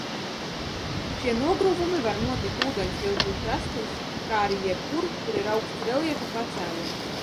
Šie nogruvumi var notikt ūdenstilpju krastos, kā arī jebkur, kur ir augsts reljefa pacēlums.